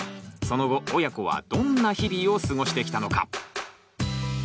その後親子はどんな日々を過ごしてきたのか。